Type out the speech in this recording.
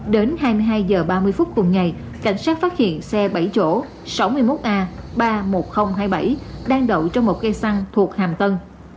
đến hai mươi hai h ba mươi phút cùng ngày cảnh sát phát hiện xe bảy chỗ sáu mươi một a ba mươi một nghìn hai mươi bảy đang đậu trong một cây xăng thuộc hàm tân